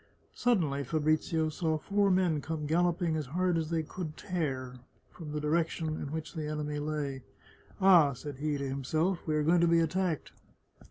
Suddenly Fabrizio saw four men come galloping as hard as they could tear from the direction in which the enemy lay. " Ah !" said he to himself, " we are going to be at tacked